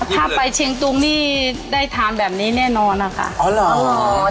ถ้าไปเชียงตุงนี่ได้ทานแบบนี้แน่นอนนะคะอ๋อเหรอ